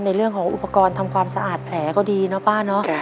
ในเรื่องของอุปกรณ์ทำความสะอาดแผลก็ดีเนาะป้าเนอะ